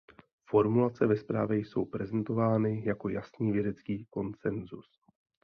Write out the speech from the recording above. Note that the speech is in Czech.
Formulace ve zprávě jsou prezentovány jako jasný vědecký konsenzus.